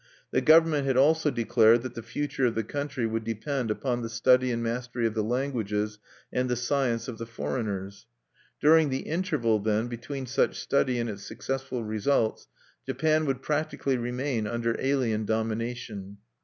The government had also declared that the future of the country would depend upon the study and mastery of the languages and the science of the foreigners. During the interval, then, between such study and its successful results, Japan would practically remain under alien domination.